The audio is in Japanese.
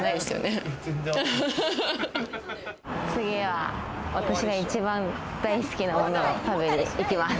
次は私が一番大好きなものを食べに行きます。